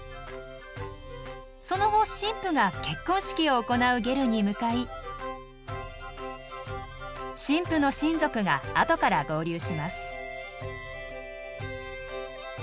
その後新婦が結婚式を行うゲルに向かい新婦の親族があとから合流します。